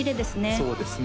そうですね